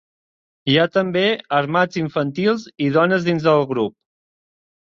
Hi ha també armats infantils i dones dins el grup.